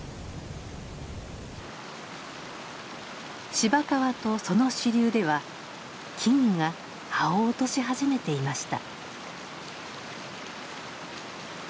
芝川とその支流では木々が葉を落とし始めていました。